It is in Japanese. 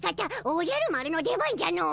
おじゃる丸の出番じゃの。